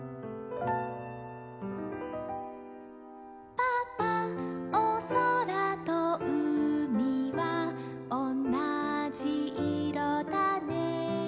「パパおそらとうみはおんなじいろだね」